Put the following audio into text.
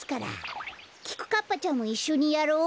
きくかっぱちゃんもいっしょにやろう。